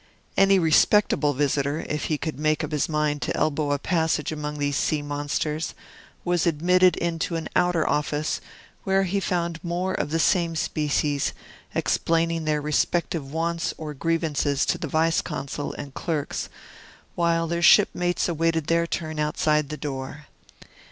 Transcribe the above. Any respectable visitor, if he could make up his mind to elbow a passage among these sea monsters, was admitted into an outer office, where he found more of the same species, explaining their respective wants or grievances to the Vice Consul and clerks, while their shipmates awaited their turn outside the door.